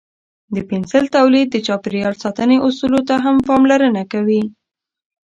د پنسل تولید د چاپیریال ساتنې اصولو ته هم پاملرنه کوي.